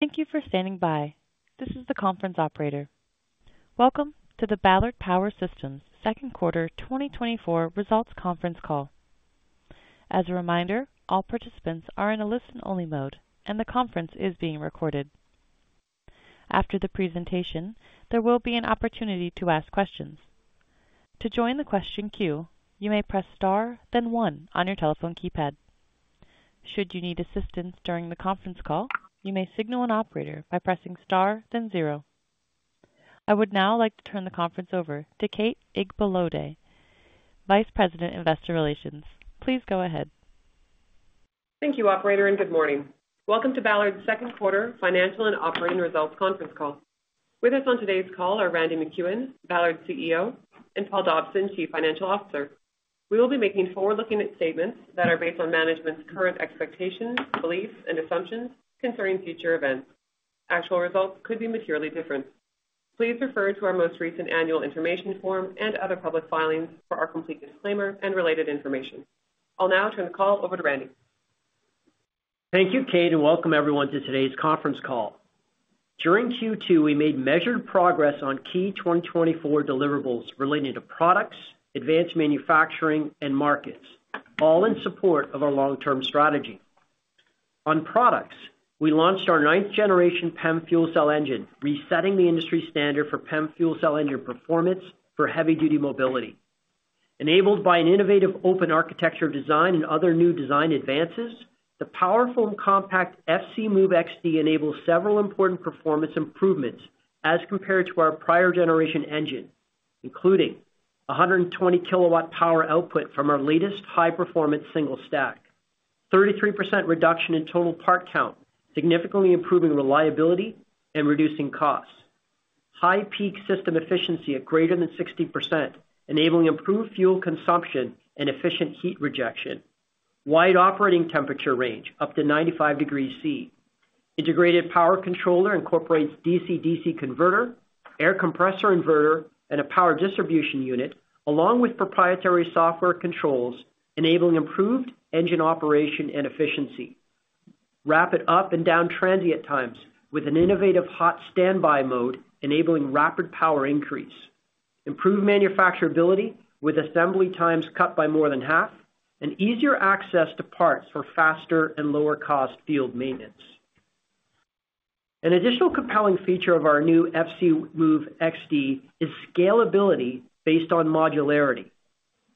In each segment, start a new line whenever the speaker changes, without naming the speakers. Thank you for standing by. This is the conference operator. Welcome to the Ballard Power Systems Second Quarter 2024 Results Conference Call. As a reminder, all participants are in a listen-only mode, and the conference is being recorded. After the presentation, there will be an opportunity to ask questions. To join the question queue, you may press star then one on your telephone keypad. Should you need assistance during the conference call, you may signal an operator by pressing star then zero. I would now like to turn the conference over to Kate Igbalode, Vice President, Investor Relations. Please go ahead.
Thank you, operator, and good morning. Welcome to Ballard's second quarter financial and operating results conference call. With us on today's call are Randy MacEwen, Ballard's CEO, and Paul Dobson, Chief Financial Officer. We will be making forward-looking statements that are based on management's current expectations, beliefs, and assumptions concerning future events. Actual results could be materially different. Please refer to our most recent annual information form and other public filings for our complete disclaimer and related information. I'll now turn the call over to Randy.
Thank you, Kate, and welcome everyone to today's conference call. During Q2, we made measured progress on key 2024 deliverables relating to products, advanced manufacturing, and markets, all in support of our long-term strategy. On products, we launched our ninth generation PEM Fuel Cell engine, resetting the industry standard for PEM Fuel Cell engine performance for heavy-duty mobility. Enabled by an innovative open architecture design and other new design advances, the powerful and compact FCmove-XD enables several important performance improvements as compared to our prior generation engine, including 120 kW power output from our latest high-performance single stack, 33% reduction in total part count, significantly improving reliability and reducing costs. High peak system efficiency of greater than 60%, enabling improved fuel consumption and efficient heat rejection. Wide operating temperature range, up to 95 degrees Celsius. Integrated power controller incorporates DC-DC converter, air compressor inverter, and a power distribution unit, along with proprietary software controls, enabling improved engine operation and efficiency. Rapid up and down transient times with an innovative hot standby mode, enabling rapid power increase, improved manufacturability with assembly times cut by more than half, and easier access to parts for faster and lower cost field maintenance. An additional compelling feature of our new FCmove-XD is scalability based on modularity.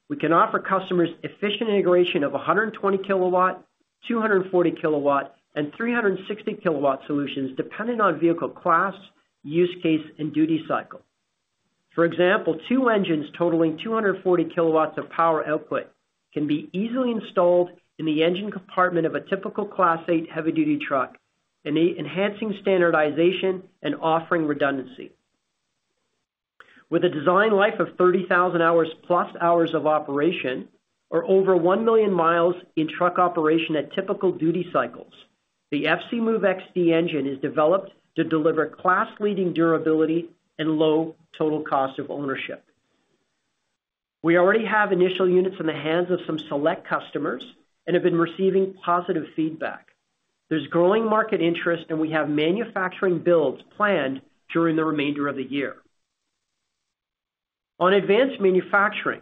We can offer customers efficient integration of 120 kW, 240 kW, and 360 kW solutions, depending on vehicle class, use case, and duty cycle. For example, two engines totaling 240 kW of power output can be easily installed in the engine compartment of a typical Class 8 heavy-duty truck, enhancing standardization and offering redundancy. With a design life of 30,000 hours plus hours of operation, or over 1,000,000 mi in truck operation at typical duty cycles, the FCmove-XD engine is developed to deliver class-leading durability and low total cost of ownership. We already have initial units in the hands of some select customers and have been receiving positive feedback. There's growing market interest, and we have manufacturing builds planned during the remainder of the year. On advanced manufacturing,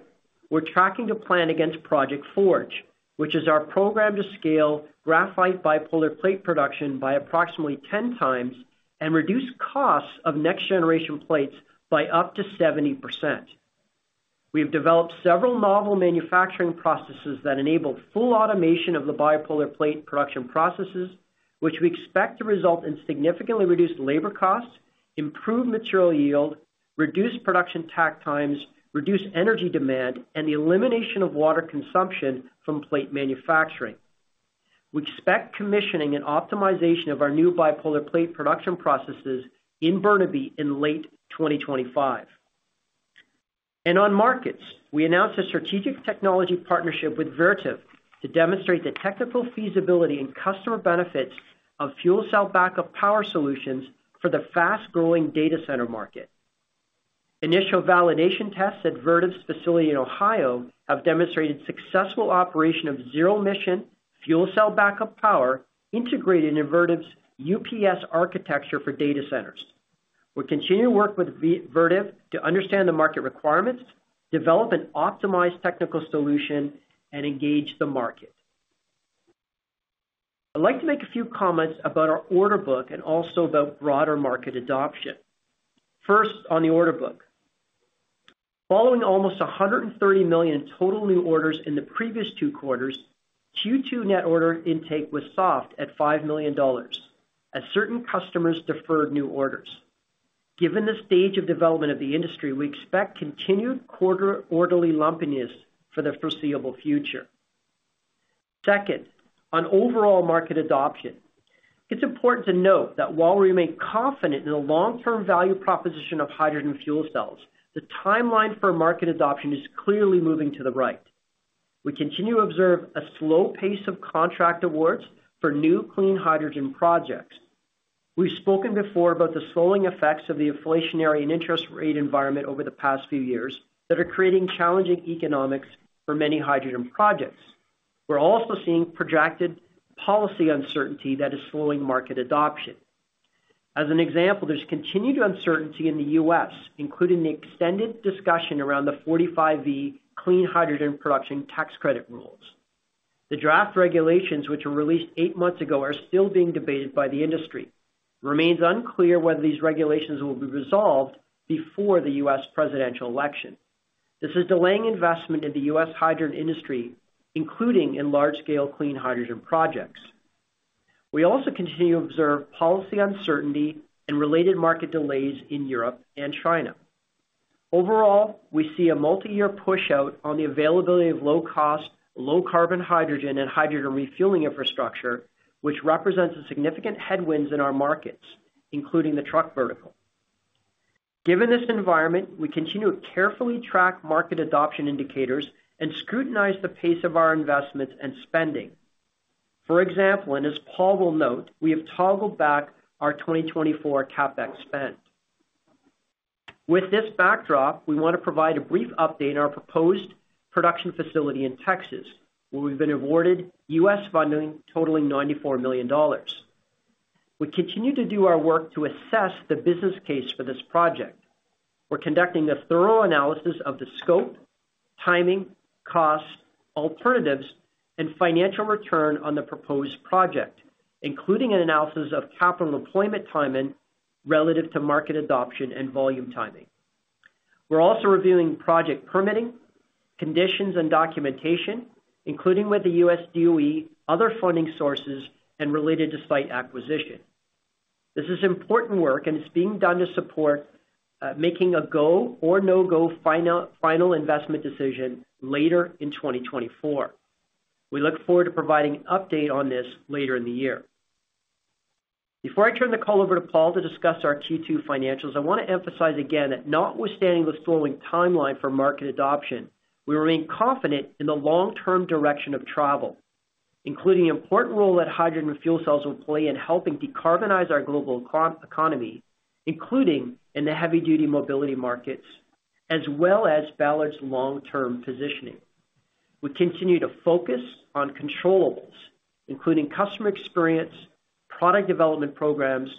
we're tracking to plan against Project Forge, which is our program to scale graphite bipolar plate production by approximately 10x and reduce costs of next generation plates by up to 70%. We have developed several novel manufacturing processes that enable full automation of the bipolar plate production processes, which we expect to result in significantly reduced labor costs, improved material yield, reduced production takt times, reduced energy demand, and the elimination of water consumption from plate manufacturing. We expect commissioning and optimization of our new bipolar plate production processes in Burnaby in late 2025. And on markets, we announced a strategic technology partnership with Vertiv to demonstrate the technical feasibility and customer benefits of fuel cell backup power solutions for the fast-growing data center market. Initial validation tests at Vertiv's facility in Ohio have demonstrated successful operation of zero-emission fuel cell backup power integrated in Vertiv's UPS architecture for data centers. We'll continue to work with Vertiv to understand the market requirements, develop an optimized technical solution, and engage the market. I'd like to make a few comments about our order book and also about broader market adoption. First, on the order book. Following almost $130 million in total new orders in the previous two quarters, Q2 net order intake was soft at $5 million as certain customers deferred new orders. Given the stage of development of the industry, we expect continued quarterly lumpiness for the foreseeable future. Second, on overall market adoption, it's important to note that while we remain confident in the long-term value proposition of hydrogen fuel cells, the timeline for market adoption is clearly moving to the right. We continue to observe a slow pace of contract awards for new clean hydrogen projects. We've spoken before about the slowing effects of the inflationary and interest rate environment over the past few years that are creating challenging economics for many hydrogen projects. We're also seeing projected policy uncertainty that is slowing market adoption. As an example, there's continued uncertainty in the U.S., including the extended discussion around the 45V clean hydrogen production tax credit rules. The draft regulations, which were released 8 months ago, are still being debated by the industry. Remains unclear whether these regulations will be resolved before the U.S. presidential election. This is delaying investment in the U.S. hydrogen industry, including in large-scale clean hydrogen projects. We also continue to observe policy uncertainty and related market delays in Europe and China. Overall, we see a multi-year push out on the availability of low cost, low carbon, hydrogen and hydrogen refueling infrastructure, which represents a significant headwinds in our markets, including the truck vertical. Given this environment, we continue to carefully track market adoption indicators and scrutinize the pace of our investments and spending. For example, and as Paul will note, we have toggled back our 2024 CapEx spend. With this backdrop, we want to provide a brief update on our proposed production facility in Texas, where we've been awarded U.S. funding totaling $94 million. We continue to do our work to assess the business case for this project. We're conducting a thorough analysis of the scope, timing, cost, alternatives, and financial return on the proposed project, including an analysis of capital employment timing relative to market adoption and volume timing. We're also reviewing project permitting, conditions and documentation, including with the U.S. DOE, other funding sources, and related to site acquisition. This is important work, and it's being done to support making a go or no-go final investment decision later in 2024. We look forward to providing an update on this later in the year. Before I turn the call over to Paul to discuss our Q2 financials, I want to emphasize again that notwithstanding the slowing timeline for market adoption, we remain confident in the long-term direction of travel, including the important role that hydrogen fuel cells will play in helping decarbonize our global economy, including in the heavy-duty mobility markets, as well as Ballard's long-term positioning. We continue to focus on controllables, including customer experience, product development programs,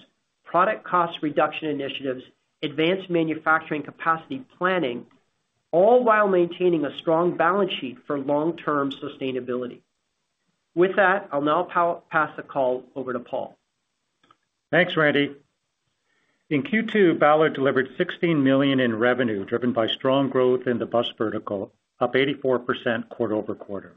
product cost reduction initiatives, advanced manufacturing capacity planning, all while maintaining a strong balance sheet for long-term sustainability. With that, I'll now pass the call over to Paul.
Thanks, Randy. In Q2, Ballard delivered $16 million in revenue, driven by strong growth in the bus vertical, up 84% quarter-over-quarter.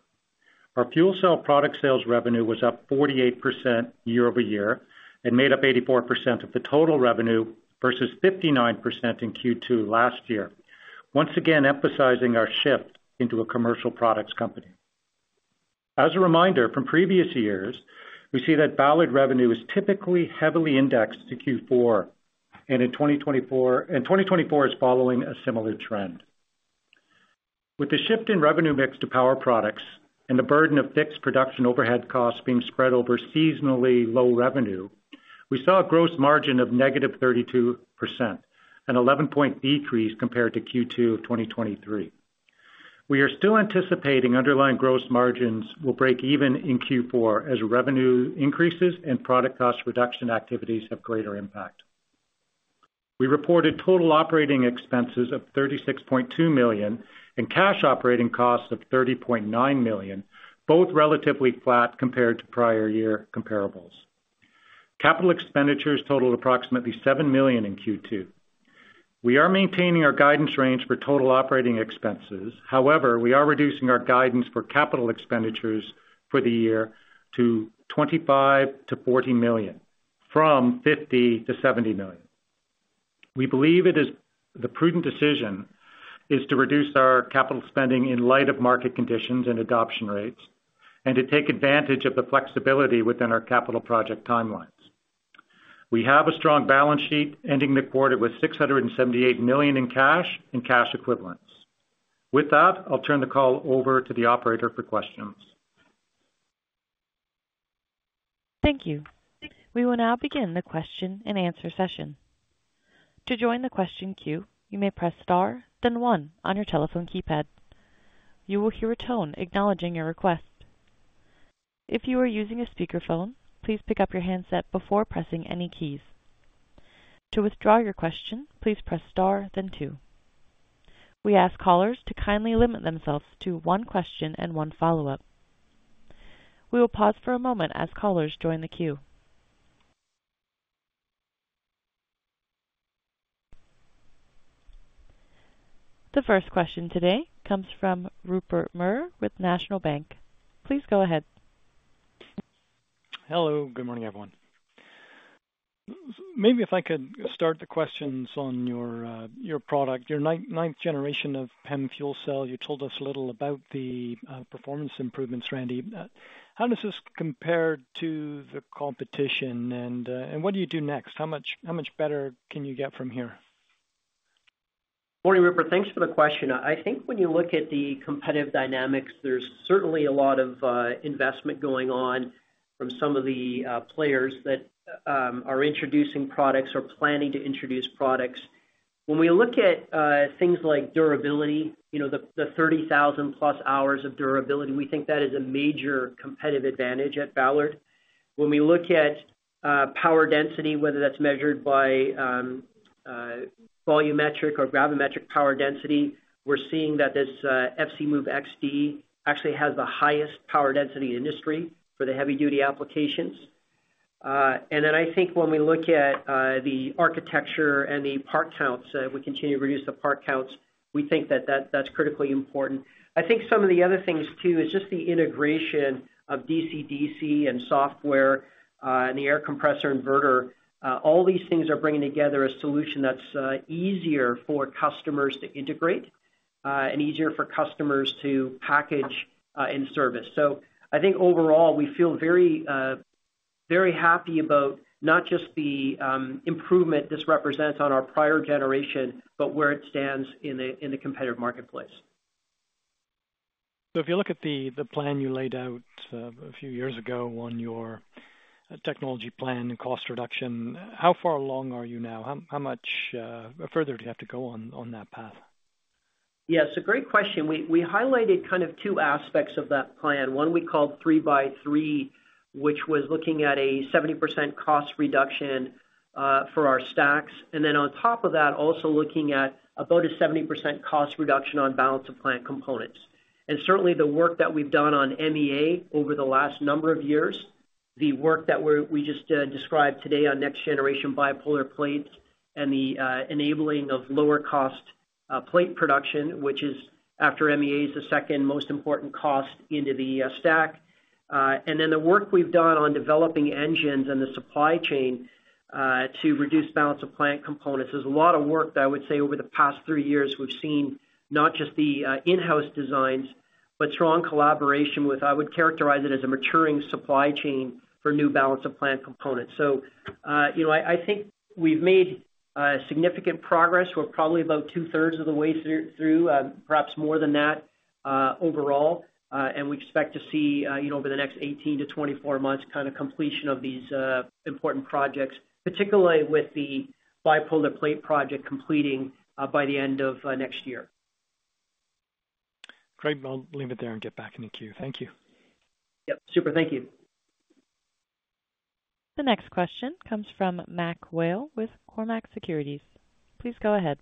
Our fuel cell product sales revenue was up 48% year-over-year and made up 84% of the total revenue versus 59% in Q2 last year. Once again, emphasizing our shift into a commercial products company. As a reminder from previous years, we see that Ballard revenue is typically heavily indexed to Q4, and in 2024—and 2024 is following a similar trend. With the shift in revenue mix to power products and the burden of fixed production overhead costs being spread over seasonally low revenue, we saw a gross margin of -32%, an 11-point decrease compared to Q2 of 2023. We are still anticipating underlying gross margins will break even in Q4 as revenue increases and product cost reduction activities have greater impact. We reported total operating expenses of $36.2 million and cash operating costs of $30.9 million, both relatively flat compared to prior year comparables. Capital expenditures totaled approximately $7 million in Q2. We are maintaining our guidance range for total operating expenses. However, we are reducing our guidance for capital expenditures for the year to $25 million-$40 million, from $50 million-$70 million. We believe it is the prudent decision to reduce our capital spending in light of market conditions and adoption rates, and to take advantage of the flexibility within our capital project timelines. We have a strong balance sheet, ending the quarter with $678 million in cash and cash equivalents. With that, I'll turn the call over to the operator for questions.
Thank you. We will now begin the question-and-answer session. To join the question queue, you may press star, then one on your telephone keypad. You will hear a tone acknowledging your request. If you are using a speakerphone, please pick up your handset before pressing any keys. To withdraw your question, please press star then two. We ask callers to kindly limit themselves to one question and one follow-up. We will pause for a moment as callers join the queue. The first question today comes from Rupert Merer with National Bank Financial. Please go ahead.
Hello, good morning, everyone. Maybe if I could start the questions on your product, your ninth generation of PEM Fuel Cell. You told us a little about the performance improvements, Randy. How does this compare to the competition? And what do you do next? How much better can you get from here?
Morning, Rupert. Thanks for the question. I think when you look at the competitive dynamics, there's certainly a lot of investment going on from some of the players that are introducing products or planning to introduce products. When we look at things like durability, you know, the 30,000+ hours of durability, we think that is a major competitive advantage at Ballard. When we look at power density, whether that's measured by volumetric or gravimetric power density, we're seeing that this FCmove-XD actually has the highest power density in the industry for the heavy duty applications. And then I think when we look at the architecture and the part counts, we continue to reduce the part counts, we think that's critically important. I think some of the other things, too, is just the integration of DC-DC and software, and the air compressor inverter. All these things are bringing together a solution that's easier for customers to integrate, and easier for customers to package, and service. So I think overall, we feel very, very happy about not just the improvement this represents on our prior generation, but where it stands in the competitive marketplace.
So if you look at the plan you laid out a few years ago on your technology plan and cost reduction, how far along are you now? How much further do you have to go on that path?
Yes, a great question. We highlighted kind of two aspects of that plan. One, we called 3 by 3, which was looking at a 70% cost reduction for our stacks. And then on top of that, also looking at about a 70% cost reduction on balance of plant components. And certainly, the work that we've done on MEA over the last number of years, the work that we just described today on next generation bipolar plates and the enabling of lower cost plate production, which is, after MEA, the second most important cost into the stack. And then the work we've done on developing engines and the supply chain to reduce balance of plant components. There's a lot of work that I would say over the past 3 years, we've seen not just the in-house designs, but strong collaboration with I would characterize it as a maturing supply chain for new balance of plant components. So, you know, I, I think we've made significant progress. We're probably about 2/3 of the way through, perhaps more than that, overall. And we expect to see, you know, over the next 18-24 months, kind of completion of these important projects, particularly with the bipolar plate project completing by the end of next year.
Great. I'll leave it there and get back in the queue. Thank you.
Yep. Super, thank you.
The next question comes from Mac Whale with Cormark Securities. Please go ahead.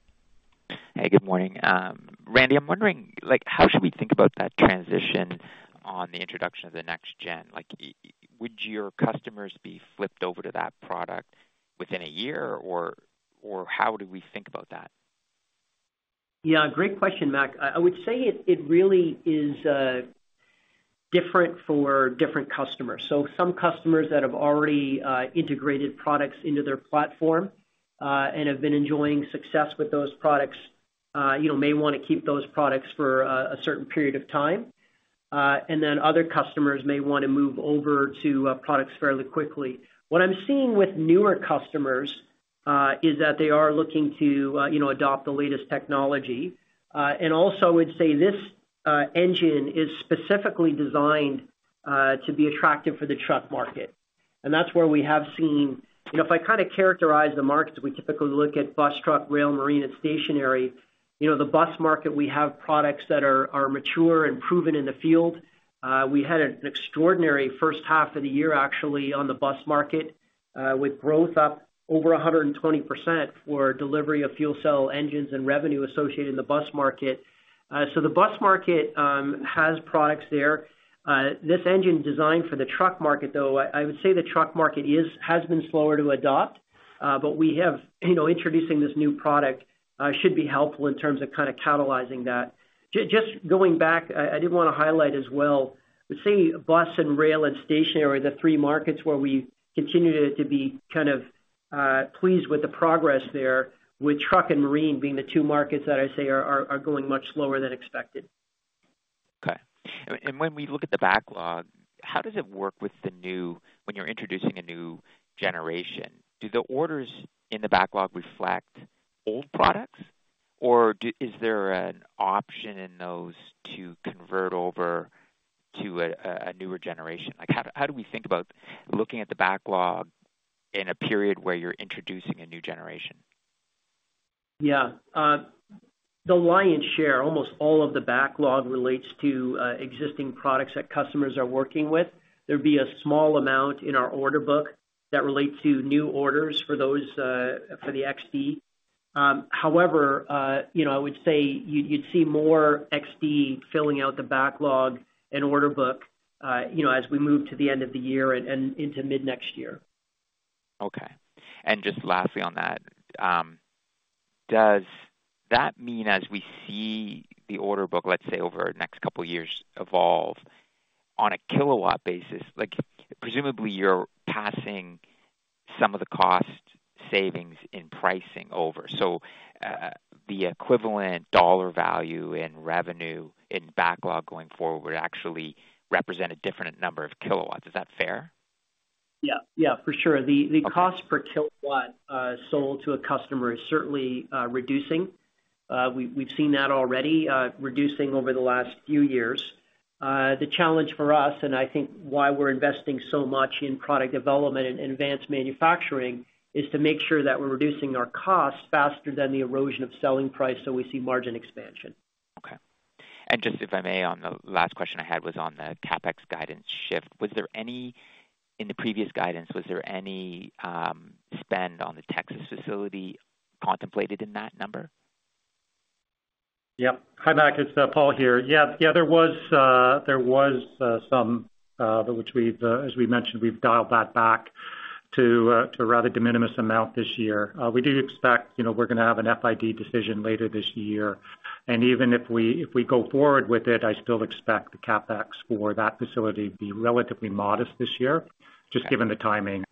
Hey, good morning. Randy, I'm wondering, like, how should we think about that transition on the introduction of the next gen? Like, would your customers be flipped over to that product within a year, or how do we think about that?
Yeah, great question, Mac. I would say it really is different for different customers. So some customers that have already integrated products into their platform and have been enjoying success with those products, you know, may want to keep those products for a certain period of time, and then other customers may want to move over to products fairly quickly. What I'm seeing with newer customers is that they are looking to you know adopt the latest technology. And also, I would say this, engine is specifically designed to be attractive for the truck market, and that's where we have seen. You know, if I kind of characterize the markets, we typically look at bus, truck, rail, marine, and stationary. You know, the bus market, we have products that are mature and proven in the field. We had an extraordinary first half of the year, actually, on the bus market, with growth up over 120% for delivery of fuel cell engines and revenue associated in the bus market. So the bus market has products there. This engine designed for the truck market, though, I would say the truck market has been slower to adopt, but we have—you know, introducing this new product should be helpful in terms of kind of catalyzing that. Just going back, I did want to highlight as well, we're seeing bus and rail and stationary, the three markets where we continue to be kind of pleased with the progress there, with truck and marine being the two markets that I say are going much slower than expected.
Okay. And when we look at the backlog, how does it work with the new, when you're introducing a new generation? Do the orders in the backlog reflect old products, or is there an option in those to convert over to a newer generation? Like, how do we think about looking at the backlog in a period where you're introducing a new generation?
Yeah. The lion's share, almost all of the backlog relates to existing products that customers are working with. There'd be a small amount in our order book that relate to new orders for those for the XD. However, you know, I would say you'd see more XD filling out the backlog and order book, you know, as we move to the end of the year and into mid-next year.
Okay. And just lastly on that, does that mean as we see the order book, let's say, over the next couple of years, evolve on a kilowatt basis, like, presumably you're passing some of the cost savings in pricing over. So, the equivalent dollar value in revenue, in backlog going forward, would actually represent a different number of kilowatts. Is that fair?
Yeah. Yeah, for sure.
Okay.
The cost per kilowatt sold to a customer is certainly reducing. We've seen that already, reducing over the last few years. The challenge for us, and I think why we're investing so much in product development and advanced manufacturing, is to make sure that we're reducing our costs faster than the erosion of selling price, so we see margin expansion.
Okay. And just if I may, on the last question I had was on the CapEx guidance shift. In the previous guidance, was there any spend on the Texas facility contemplated in that number?
Yep. Hi, Mac. It's Paul here. Yeah, yeah, there was some, but which we've, as we mentioned, we've dialed that back to, to a rather de minimis amount this year. We do expect, you know, we're gonna have an FID decision later this year. And even if we go forward with it, I still expect the CapEx for that facility to be relatively modest this year, just given the timing,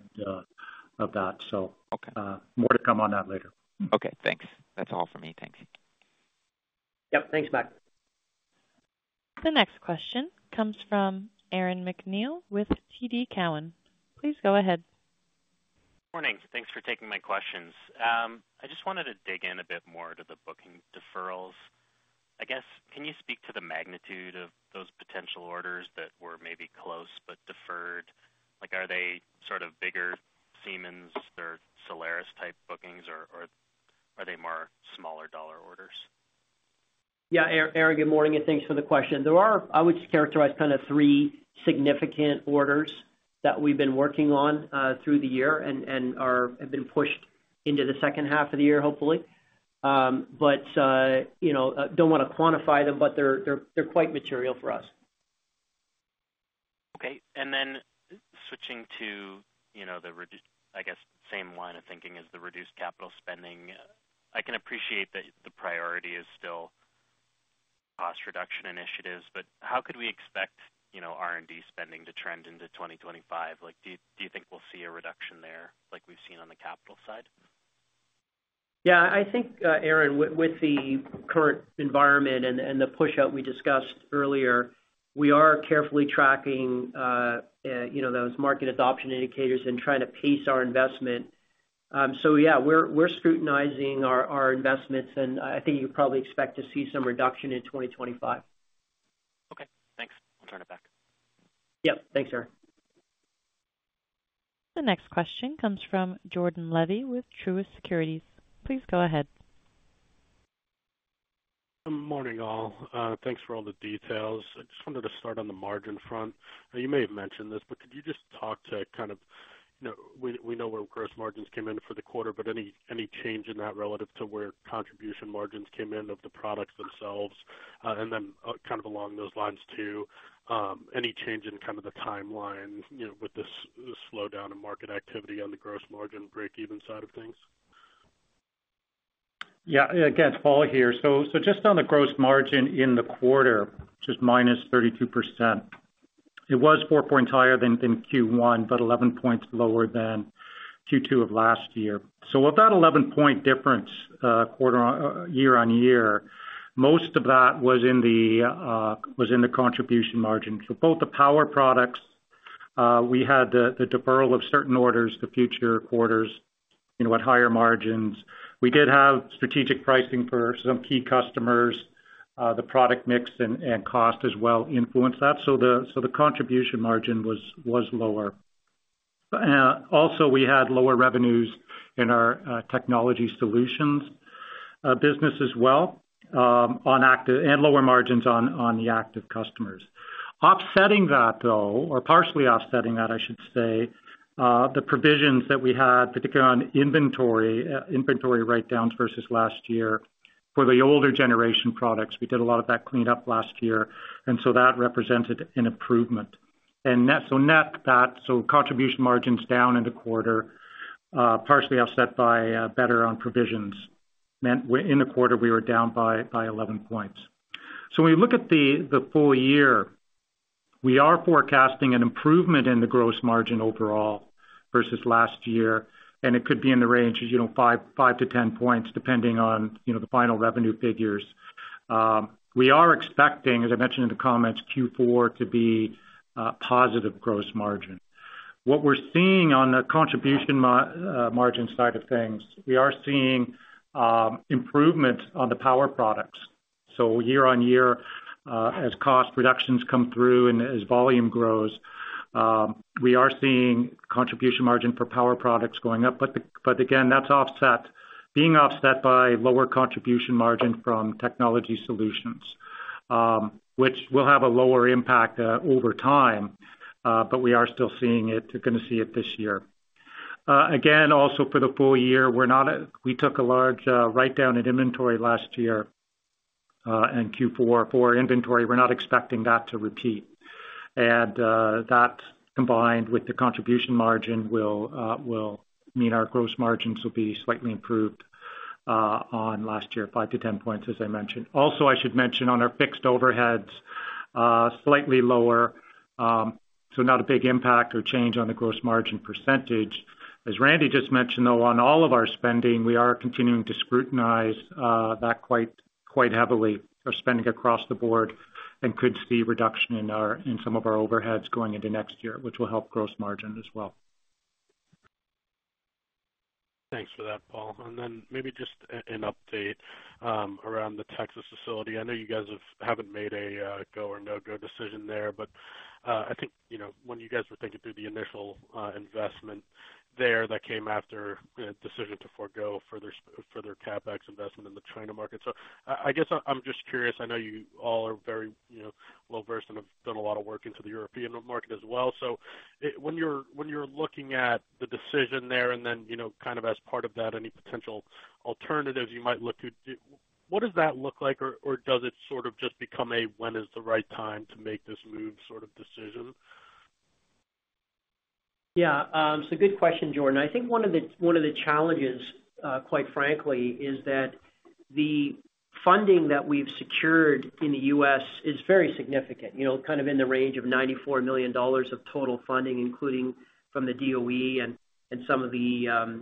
of that. So-
Okay.
More to come on that later.
Okay, thanks. That's all for me. Thanks.
Yep, thanks, Mac.
The next question comes from Aaron MacNeil with TD Cowen. Please go ahead.
Morning. Thanks for taking my questions. I just wanted to dig in a bit more to the booking deferrals. I guess, can you speak to the magnitude of those potential orders that were maybe close but deferred? Like, are they sort of bigger Siemens or Solaris type bookings, or, or are they more smaller dollar orders?
Yeah, Aaron, good morning, and thanks for the question. There are, I would characterize, kind of three significant orders that we've been working on through the year and have been pushed into the second half of the year, hopefully. But you know, don't wanna quantify them, but they're quite material for us.
Okay. And then switching to, you know, I guess, same line of thinking as the reduced capital spending. I can appreciate that the priority is still cost reduction initiatives, but how could we expect, you know, R&D spending to trend into 2025? Like, do you, do you think we'll see a reduction there, like we've seen on the capital side?
Yeah, I think, Aaron, with the current environment and the pushout we discussed earlier, we are carefully tracking, you know, those market adoption indicators and trying to pace our investment. So yeah, we're scrutinizing our investments, and I think you'd probably expect to see some reduction in 2025.
Okay, thanks. I'll turn it back.
Yep, thanks, Aaron.
The next question comes from Jordan Levy with Truist Securities. Please go ahead.
Good morning, all. Thanks for all the details. I just wanted to start on the margin front. You may have mentioned this, but could you just talk to kind of, you know, we know where gross margins came in for the quarter, but any change in that relative to where contribution margins came in of the products themselves? And then, kind of along those lines, too, any change in kind of the timeline, you know, with this slowdown in market activity on the gross margin breakeven side of things?
Yeah. Again, it's Paul here. So just on the gross margin in the quarter, just -32%. It was 4 points higher than in Q1, but 11 points lower than Q2 of last year. So of that 11-point difference, quarter-on-year, most of that was in the contribution margin. So both the power products, we had the deferral of certain orders to future quarters, you know, at higher margins. We did have strategic pricing for some key customers, the product mix and cost as well influenced that, so the contribution margin was lower. Also, we had lower revenues in our technology solutions business as well, on active. And lower margins on the active customers. Offsetting that, though, or partially offsetting that, I should say, the provisions that we had, particularly on inventory, inventory write-downs versus last year. For the older generation products, we did a lot of that cleanup last year, and so that represented an improvement. And net, so net that, so contribution margins down in the quarter, partially offset by better on provisions. Meant we're in the quarter, we were down by 11 points. So when we look at the full year, we are forecasting an improvement in the gross margin overall versus last year, and it could be in the range, as you know, 5-10 points, depending on, you know, the final revenue figures. We are expecting, as I mentioned in the comments, Q4 to be positive gross margin. What we're seeing on the contribution margin side of things, we are seeing improvement on the power products. So year-on-year, as cost reductions come through and as volume grows, we are seeing contribution margin for power products going up. But again, that's offset, being offset by lower contribution margin from technology solutions, which will have a lower impact over time, but we are still seeing it, gonna see it this year. Again, also for the full year, we're not -- we took a large write-down at inventory last year in Q4. For inventory, we're not expecting that to repeat. And that combined with the contribution margin will mean our gross margins will be slightly improved on last year, 5-10 points, as I mentioned. Also, I should mention on our fixed overheads, slightly lower, so not a big impact or change on the gross margin percentage. As Randy just mentioned, though, on all of our spending, we are continuing to scrutinize that quite heavily, our spending across the board and could see reduction in our, in some of our overheads going into next year, which will help gross margin as well.
Thanks for that, Paul. And then maybe just an update around the Texas facility. I know you guys haven't made a go or no-go decision there, but I think, you know, when you guys were thinking through the initial investment there, that came after a decision to forego further CapEx investment in the China market. So I guess I'm just curious. I know you all are very, you know, well-versed and have done a lot of work into the European market as well. So, when you're looking at the decision there, and then, you know, kind of as part of that, any potential alternatives you might look to, what does that look like? Or does it sort of just become a, "When is the right time to make this move?" sort of decision?
Yeah, it's a good question, Jordan. I think one of the, one of the challenges, quite frankly, is that the funding that we've secured in the U.S. is very significant, you know, kind of in the range of $94 million of total funding, including from the DOE and, and some of the,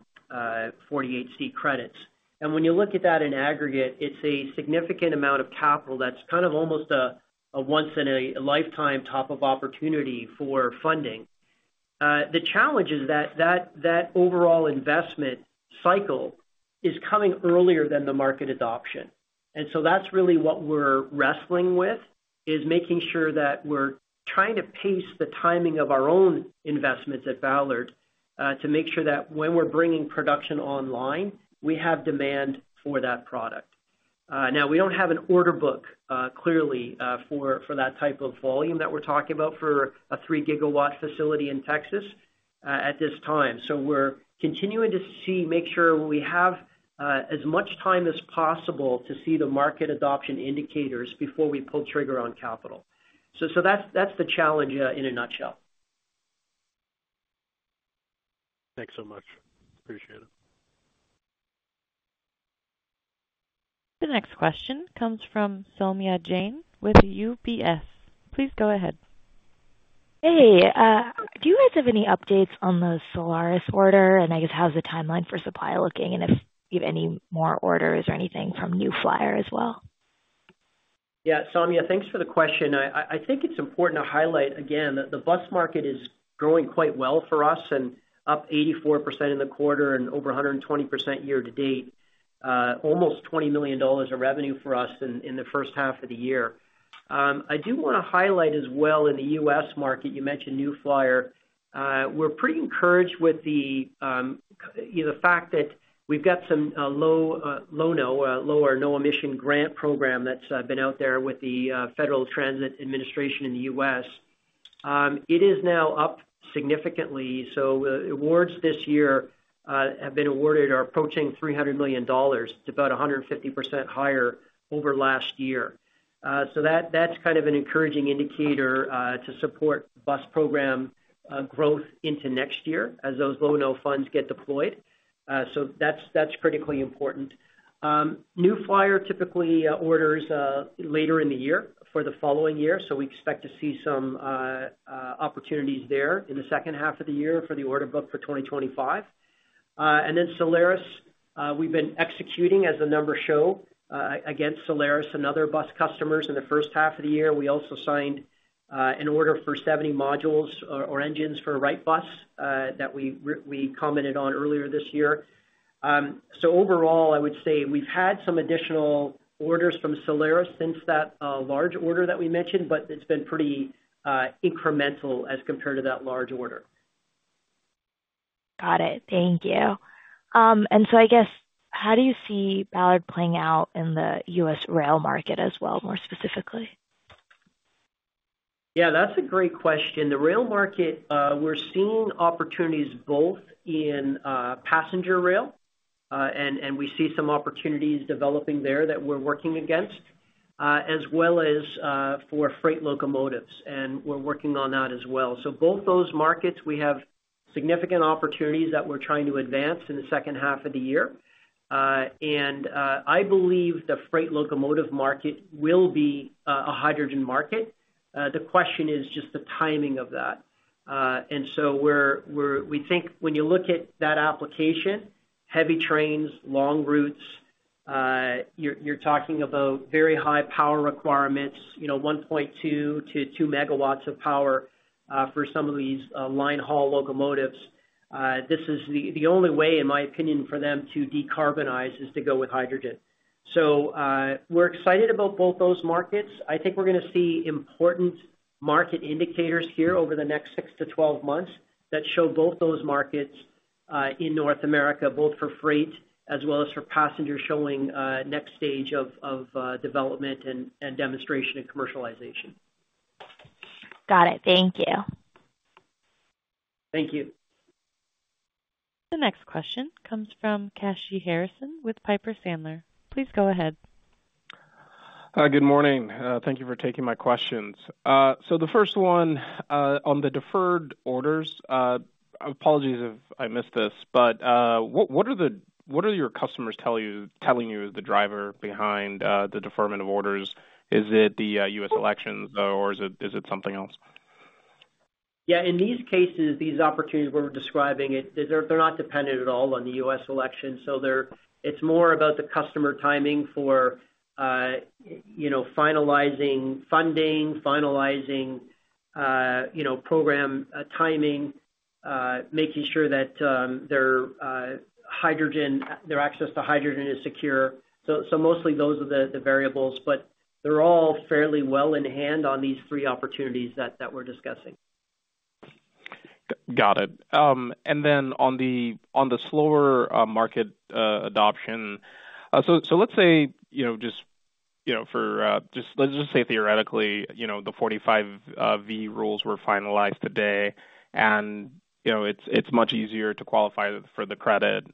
48C credits. And when you look at that in aggregate, it's a significant amount of capital that's kind of almost a, a once-in-a-lifetime type of opportunity for funding. The challenge is that, that, that overall investment cycle is coming earlier than the market adoption. And so that's really what we're wrestling with, is making sure that we're trying to pace the timing of our own investments at Ballard, to make sure that when we're bringing production online, we have demand for that product. Now, we don't have an order book, clearly, for that type of volume that we're talking about for a 3 GW facility in Texas, at this time. So we're continuing to see, make sure we have, as much time as possible to see the market adoption indicators before we pull trigger on capital. So, so that's, that's the challenge, in a nutshell.
Thanks so much. Appreciate it.
The next question comes from Soumya Jain with UBS. Please go ahead.
Hey, do you guys have any updates on the Solaris order? And I guess, how's the timeline for supply looking? And if you have any more orders or anything from New Flyer as well.
Yeah, Soumya, thanks for the question. I think it's important to highlight again that the bus market is growing quite well for us and up 84% in the quarter and over 120% year-to-date, almost $20 million in revenue for us in the first half of the year. I do wanna highlight as well in the U.S. market, you mentioned New Flyer. We're pretty encouraged with the, you know, the fact that we've got some Low-No emission grant program that's been out there with the Federal Transit Administration in the U.S. It is now up significantly, so awards this year have been awarded are approaching $300 million to about 150% higher over last year. So that's kind of an encouraging indicator to support bus program growth into next year as those Low-No funds get deployed. So that's critically important. New Flyer typically orders later in the year for the following year, so we expect to see some opportunities there in the second half of the year for the order book for 2025. And then Solaris, we've been executing, as the numbers show, against Solaris and other bus customers in the first half of the year. We also signed an order for 70 modules or engines for Wrightbus that we commented on earlier this year. Overall, I would say we've had some additional orders from Solaris since that large order that we mentioned, but it's been pretty incremental as compared to that large order.
Got it. Thank you. And so I guess, how do you see Ballard playing out in the U.S. rail market as well, more specifically?
Yeah, that's a great question. The rail market, we're seeing opportunities both in passenger rail, and we see some opportunities developing there that we're working against, as well as for freight locomotives, and we're working on that as well. So both those markets, we have significant opportunities that we're trying to advance in the second half of the year. And I believe the freight locomotive market will be a hydrogen market. The question is just the timing of that. And so we think when you look at that application, heavy trains, long routes, you're talking about very high power requirements, you know, 1.2-2 MW of power for some of these line haul locomotives. This is the... The only way, in my opinion, for them to decarbonize is to go with hydrogen. So, we're excited about both those markets. I think we're gonna see important market indicators here over the next 6-12 months that show both those markets in North America, both for freight as well as for passenger, showing next stage of development and demonstration and commercialization.
Got it. Thank you.
Thank you.
The next question comes from Kashy Harrison with Piper Sandler. Please go ahead.
Good morning. Thank you for taking my questions. So the first one, on the deferred orders, apologies if I missed this, but what are your customers telling you is the driver behind the deferment of orders? Is it the U.S. elections, or is it something else?
Yeah, in these cases, these opportunities we're describing it, they're, they're not dependent at all on the U.S. election, so they're—it's more about the customer timing for, you know, finalizing funding, finalizing—you know, program timing, making sure that their hydrogen, their access to hydrogen is secure. So, mostly those are the variables, but they're all fairly well in hand on these three opportunities that we're discussing.
Got it. And then on the slower market adoption, so let's say, you know, just, you know, for just—let's just say theoretically, you know, the 45V rules were finalized today, and, you know, it's much easier to qualify for the credit.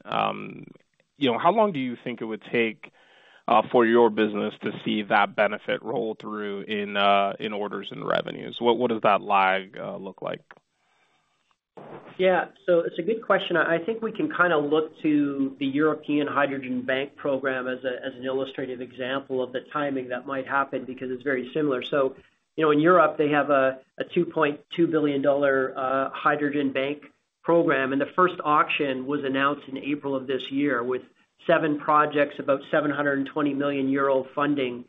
You know, how long do you think it would take for your business to see that benefit roll through in orders and revenues? What does that lag look like?
Yeah. It's a good question. I think we can kind of look to the European Hydrogen Bank program as an illustrative example of the timing that might happen because it's very similar. You know, in Europe, they have a $2.2 billion hydrogen bank program, and the first auction was announced in April of this year, with 7 projects, about 720 million funding.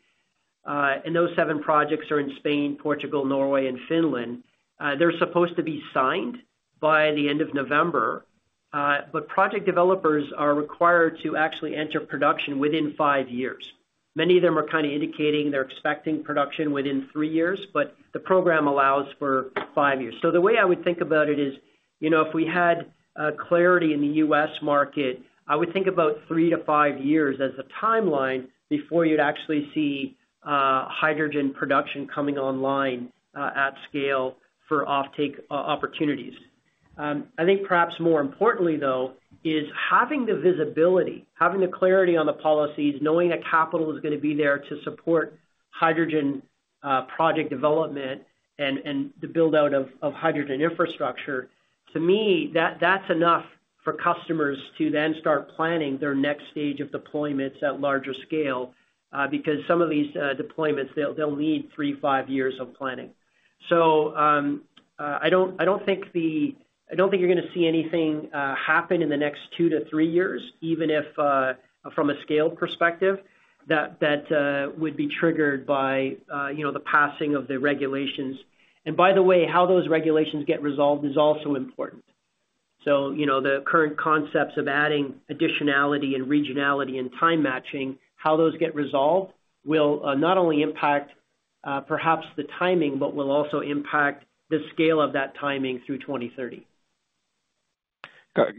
Those 7 projects are in Spain, Portugal, Norway, and Finland. They're supposed to be signed by the end of November, but project developers are required to actually enter production within 5 years. Many of them are kind of indicating they're expecting production within 3 years, but the program allows for 5 years. So the way I would think about it is, you know, if we had clarity in the U.S. market, I would think about 3-5 years as a timeline before you'd actually see hydrogen production coming online at scale for offtake opportunities. I think perhaps more importantly, though, is having the visibility, having the clarity on the policies, knowing that capital is gonna be there to support hydrogen project development and the build-out of hydrogen infrastructure, to me, that's enough for customers to then start planning their next stage of deployments at larger scale, because some of these deployments, they'll need 3-5 years of planning. So, I don't, I don't think you're gonna see anything happen in the next 2-3 years, even if, from a scale perspective, that would be triggered by, you know, the passing of the regulations. And by the way, how those regulations get resolved is also important. So, you know, the current concepts of additionality and regionality and time matching, how those get resolved will not only impact, perhaps the timing, but will also impact the scale of that timing through 2030.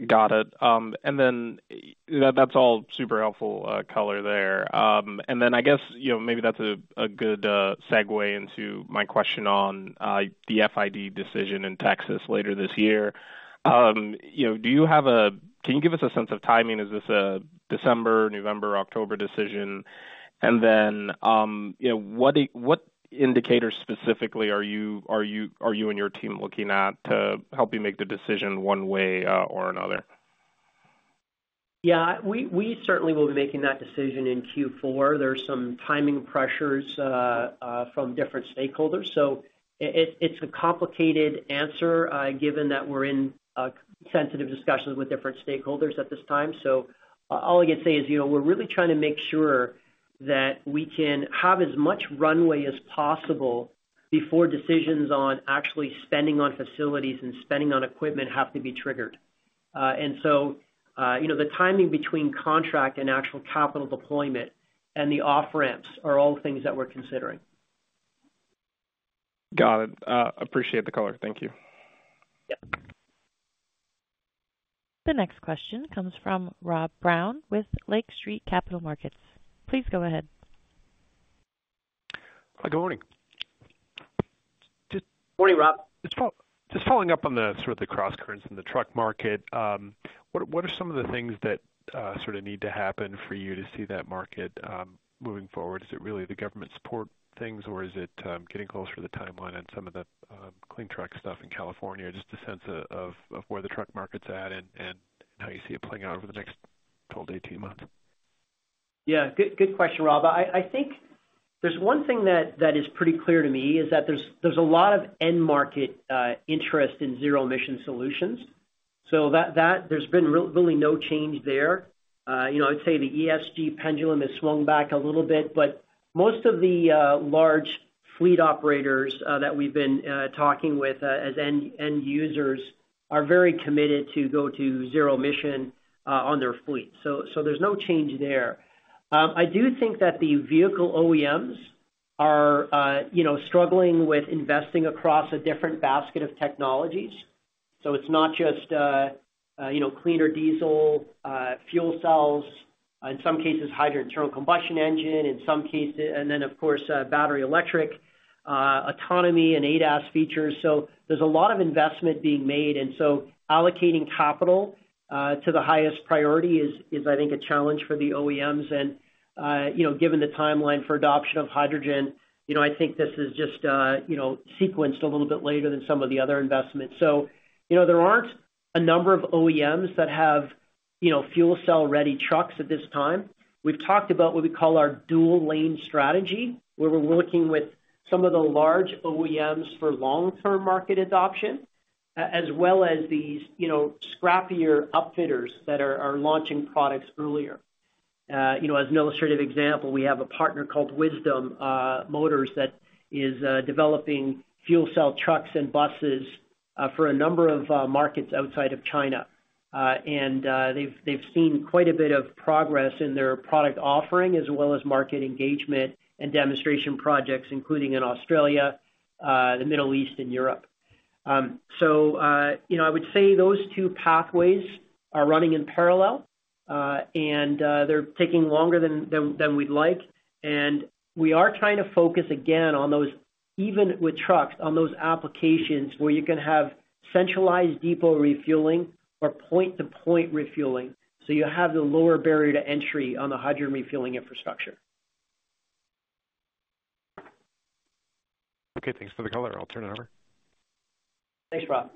Got it. And then that's all super helpful, color there. And then I guess, you know, maybe that's a good segue into my question on the FID decision in Texas later this year. You know, do you have a sense of timing? Can you give us a sense of timing? Is this a December, November, October decision? And then, you know, what indicators specifically are you and your team looking at to help you make the decision one way or another?
Yeah, we certainly will be making that decision in Q4. There are some timing pressures from different stakeholders, so it's a complicated answer, given that we're in sensitive discussions with different stakeholders at this time. So all I can say is, you know, we're really trying to make sure that we can have as much runway as possible before decisions on actually spending on facilities and spending on equipment have to be triggered. And so, you know, the timing between contract and actual capital deployment and the off-ramps are all things that we're considering.
Got it. Appreciate the color. Thank you.
Yep.
The next question comes from Rob Brown with Lake Street Capital Markets. Please go ahead.
Hi, good morning.
Morning, Rob.
Just following up on the sort of the crosscurrents in the truck market, what are some of the things that sort of need to happen for you to see that market moving forward? Is it really the government support things, or is it getting closer to the timeline on some of the clean truck stuff in California? Just a sense of where the truck market's at and how you see it playing out over the next 12-18 months.
Yeah, good question, Rob. I think there's one thing that is pretty clear to me is that there's a lot of end market interest in zero emission solutions. So that, there's been really no change there. You know, I'd say the ESG pendulum has swung back a little bit, but most of the large fleet operators that we've been talking with as end users are very committed to go to zero emission on their fleet. So there's no change there. I do think that the vehicle OEMs are, you know, struggling with investing across a different basket of technologies. So it's not just, you know, cleaner diesel, fuel cells, in some cases, hydrogen internal combustion engine, in some cases... and then, of course, battery electric, autonomy and ADAS features. So there's a lot of investment being made, and so allocating capital to the highest priority is, I think, a challenge for the OEMs. And, you know, given the timeline for adoption of hydrogen, you know, I think this is just, you know, sequenced a little bit later than some of the other investments. So, you know, there aren't a number of OEMs that have, you know, fuel cell-ready trucks at this time. We've talked about what we call our dual lane strategy, where we're working with some of the large OEMs for long-term market adoption, as well as these, you know, scrappier upfitters that are launching products earlier. You know, as an illustrative example, we have a partner called Wisdom Motor that is developing fuel cell trucks and buses for a number of markets outside of China. And they've seen quite a bit of progress in their product offering, as well as market engagement and demonstration projects, including in Australia, the Middle East, and Europe. So you know, I would say those two pathways are running in parallel, and they're taking longer than we'd like. And we are trying to focus again on those, even with trucks, on those applications where you can have centralized depot refueling or point-to-point refueling, so you have the lower barrier to entry on the hydrogen refueling infrastructure.
Okay, thanks for the color. I'll turn it over.
Thanks, Rob.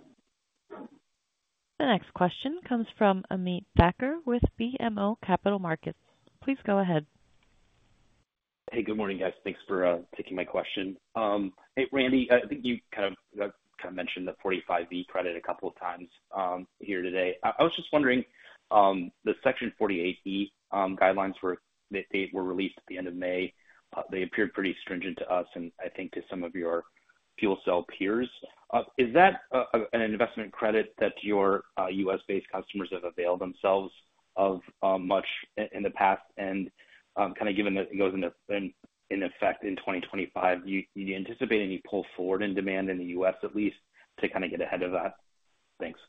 The next question comes from Ameet Thakkar with BMO Capital Markets. Please go ahead.
Hey, good morning, guys. Thanks for taking my question. Hey, Randy, I think you kind of kind of mentioned the 45V credit a couple of times here today. I was just wondering, the Section 48C guidelines were released at the end of May. They appeared pretty stringent to us, and I think to some of your fuel cell peers. Is that an investment credit that your U.S.-based customers have availed themselves of much in the past? And kind of given that it goes into effect in 2025, do you anticipate any pull forward in demand in the U.S., at least to kind of get ahead of that? Thanks.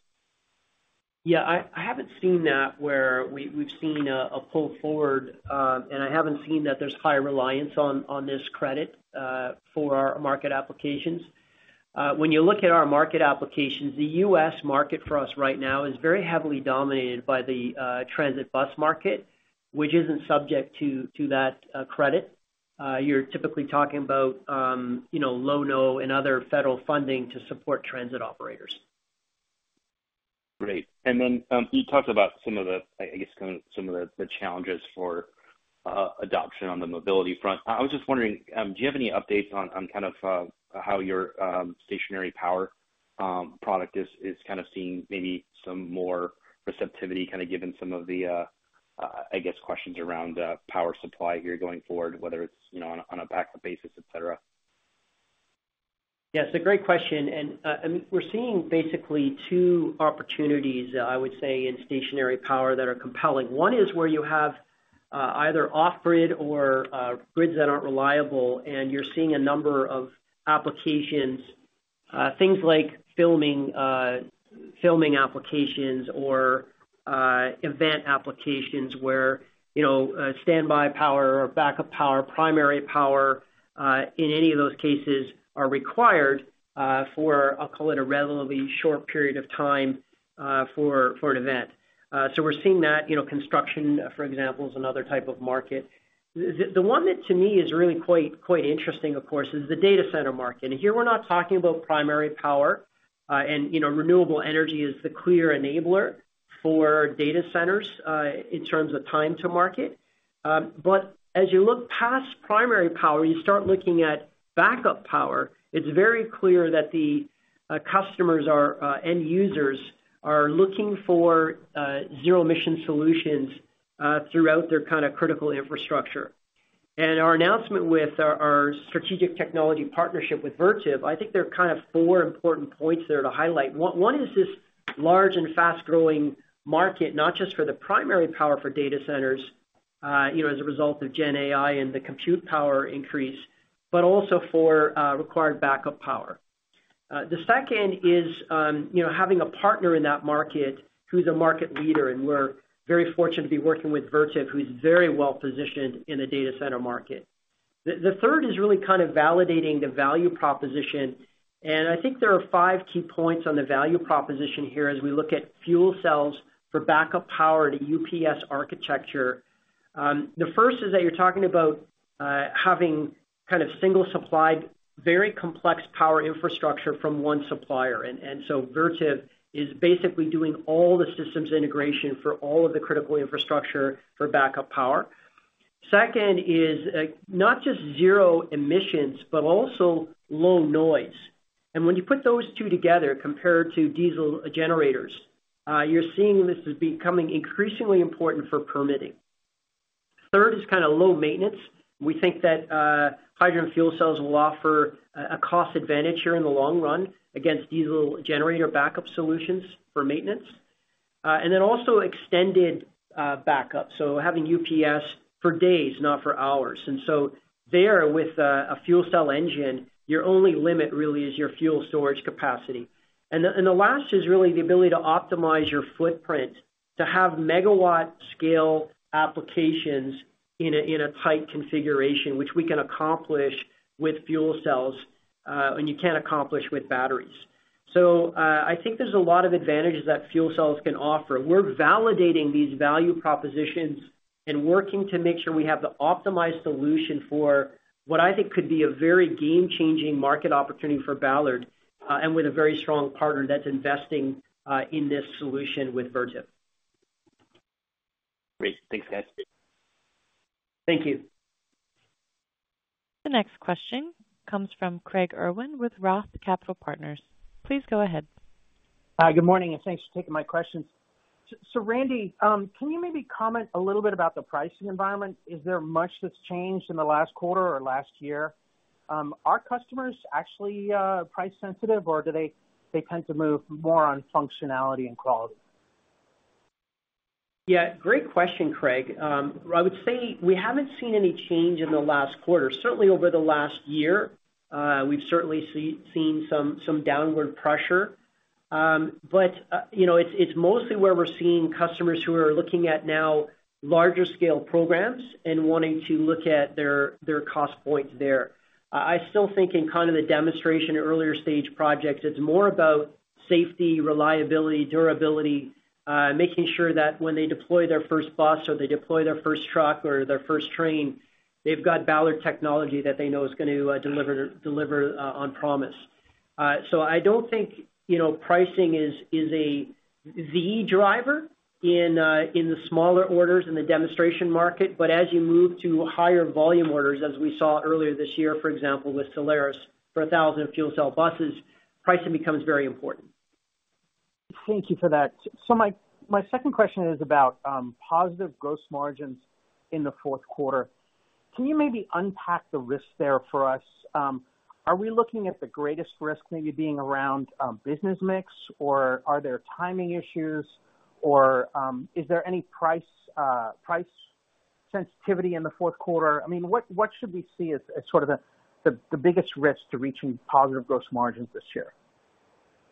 Yeah, I haven't seen that where we've seen a pull forward, and I haven't seen that there's high reliance on this credit for our market applications. When you look at our market applications, the U.S. market for us right now is very heavily dominated by the transit bus market, which isn't subject to that credit. You're typically talking about, you know, Low-No and other federal funding to support transit operators.
Great. And then, you talked about some of the, I guess, kind of the challenges for adoption on the mobility front. I was just wondering, do you have any updates on kind of how your stationary power product is kind of seeing maybe some more receptivity, kind of given some of the, I guess, questions around power supply here going forward, whether it's, you know, on a backup basis, et cetera?
Yes, a great question, and, I mean, we're seeing basically two opportunities, I would say, in stationary power that are compelling. One is where you have, either off-grid or, grids that aren't reliable, and you're seeing a number of applications, things like filming, filming applications or, event applications where, you know, standby power or backup power, primary power, in any of those cases, are required, for, I'll call it a relatively short period of time, for, for an event. So we're seeing that, you know, construction, for example, is another type of market. The one that to me is really quite interesting, of course, is the data center market. And here we're not talking about primary power, and, you know, renewable energy is the clear enabler for data centers, in terms of time to market. But as you look past primary power, you start looking at backup power, it's very clear that the end users are looking for zero emission solutions throughout their kind of critical infrastructure. And our announcement with our strategic technology partnership with Vertiv, I think there are kind of four important points there to highlight. One is this large and fast-growing market, not just for the primary power for data centers, you know, as a result of GenAI and the compute power increase, but also for required backup power. The second is, you know, having a partner in that market who's a market leader, and we're very fortunate to be working with Vertiv, who's very well positioned in the data center market. The third is really kind of validating the value proposition, and I think there are five key points on the value proposition here as we look at fuel cells for backup power to UPS architecture. The first is that you're talking about having kind of single supplied, very complex power infrastructure from one supplier. And so Vertiv is basically doing all the systems integration for all of the critical infrastructure for backup power. Second is not just zero emissions, but also low noise. And when you put those two together compared to diesel generators, you're seeing this as becoming increasingly important for permitting. Third is kind of low maintenance. We think that hydrogen fuel cells will offer a cost advantage here in the long run against diesel generator backup solutions for maintenance. And then also extended backup, so having UPS for days, not for hours. And so there, with a fuel cell engine, your only limit really is your fuel storage capacity. And the last is really the ability to optimize your footprint, to have megawatt scale applications in a tight configuration, which we can accomplish with fuel cells, and you can't accomplish with batteries. So, I think there's a lot of advantages that fuel cells can offer. We're validating these value propositions and working to make sure we have the optimized solution for what I think could be a very game-changing market opportunity for Ballard, and with a very strong partner that's investing in this solution with Vertiv.
Great. Thanks, guys.
Thank you.
The next question comes from Craig Irwin with Roth Capital Partners. Please go ahead.
Hi, good morning, and thanks for taking my questions. So, Randy, can you maybe comment a little bit about the pricing environment? Is there much that's changed in the last quarter or last year? Are customers actually price sensitive, or do they tend to move more on functionality and quality?
Yeah, great question, Craig. I would say we haven't seen any change in the last quarter. Certainly over the last year, we've certainly seen some downward pressure. But you know, it's mostly where we're seeing customers who are looking at now larger scale programs and wanting to look at their cost points there. I still think in kind of the demonstration, earlier stage projects, it's more about safety, reliability, durability, making sure that when they deploy their first bus or they deploy their first truck or their first train, they've got Ballard technology that they know is gonna deliver on promise. So, I don't think, you know, pricing is the driver in the smaller orders in the demonstration market, but as you move to higher volume orders, as we saw earlier this year, for example, with Solaris, for 1,000 fuel cell buses, pricing becomes very important.
Thank you for that. So my, my second question is about positive gross margins in the fourth quarter. Can you maybe unpack the risks there for us? Are we looking at the greatest risk maybe being around business mix, or are there timing issues, or is there any price, price sensitivity in the fourth quarter? I mean, what, what should we see as, as sort of the, the biggest risk to reaching positive gross margins this year?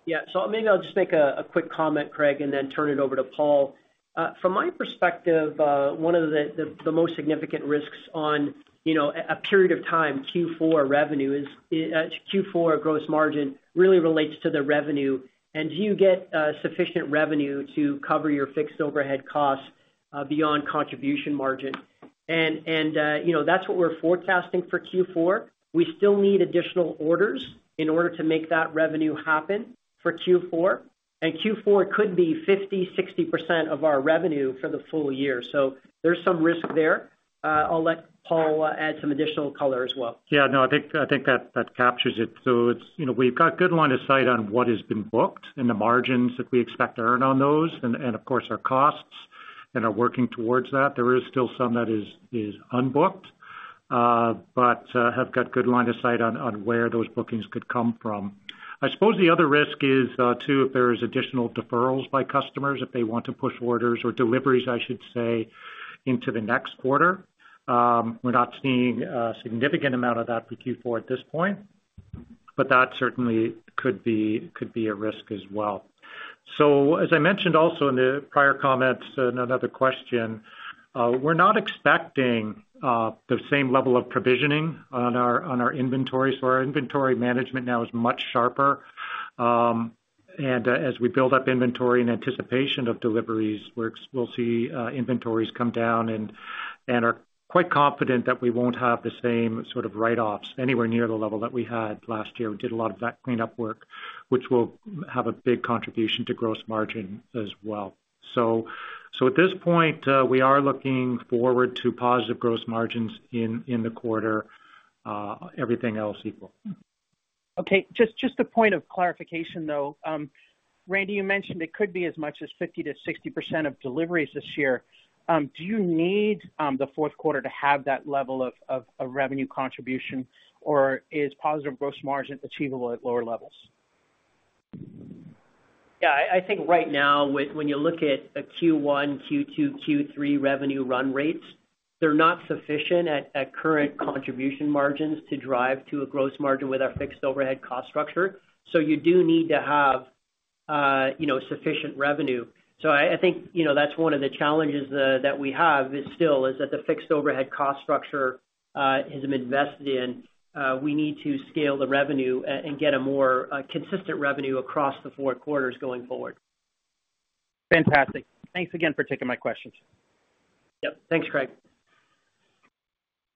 Yeah. So maybe I'll just make a quick comment, Craig, and then turn it over to Paul. From my perspective, one of the most significant risks on, you know, a period of time, Q4 revenue is Q4 gross margin, really relates to the revenue, and do you get sufficient revenue to cover your fixed overhead costs beyond contribution margin? And you know, that's what we're forecasting for Q4. We still need additional orders in order to make that revenue happen for Q4, and Q4 could be 50%-60% of our revenue for the full year, so there's some risk there. I'll let Paul add some additional color as well.
Yeah, no, I think, I think that, that captures it. So it's, you know, we've got good line of sight on what has been booked and the margins that we expect to earn on those and, and, of course, our costs and are working towards that. There is still some that is, is unbooked, but, have got good line of sight on, on where those bookings could come from. I suppose the other risk is, too, if there is additional deferrals by customers, if they want to push orders or deliveries, I should say, into the next quarter. We're not seeing a significant amount of that for Q4 at this point, but that certainly could be, could be a risk as well. So as I mentioned also in the prior comments in another question, we're not expecting the same level of provisioning on our inventories, so our inventory management now is much sharper. And as we build up inventory in anticipation of deliveries, we'll see inventories come down and are quite confident that we won't have the same sort of write-offs anywhere near the level that we had last year. We did a lot of that cleanup work, which will have a big contribution to gross margin as well. So at this point, we are looking forward to positive gross margins in the quarter, everything else equal.
Okay, just a point of clarification, though. Randy, you mentioned it could be as much as 50%-60% of deliveries this year. Do you need the fourth quarter to have that level of revenue contribution, or is positive gross margin achievable at lower levels?
Yeah, I think right now, with when you look at a Q1, Q2, Q3 revenue run rates, they're not sufficient at current contribution margins to drive to a gross margin with our fixed overhead cost structure. So you do need to have, you know, sufficient revenue. So I think, you know, that's one of the challenges that we have is that the fixed overhead cost structure is invested in. We need to scale the revenue and get a more, consistent revenue across the four quarters going forward.
Fantastic. Thanks again for taking my questions.
Yep. Thanks, Craig.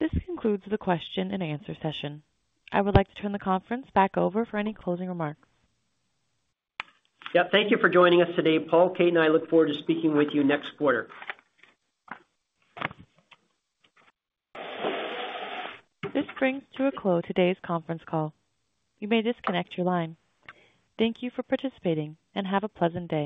This concludes the question and answer session. I would like to turn the conference back over for any closing remarks.
Yeah. Thank you for joining us today. Paul, Kate, and I look forward to speaking with you next quarter.
This brings to a close today's conference call. You may disconnect your line. Thank you for participating, and have a pleasant day.